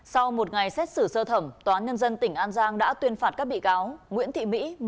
sau một ngày xét xử sơ thẩm tòa án nhân dân tỉnh an giang đã tuyên phạt các bị cáo nguyễn thị mỹ